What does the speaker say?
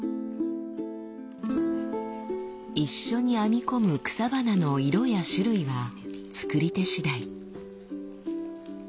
一緒に編み込む草花の色や種類は作り手しだい。